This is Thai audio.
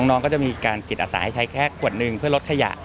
น้องก็จะมีการจิตอาสาให้ใช้แค่ขวดหนึ่งเพื่อลดขยะ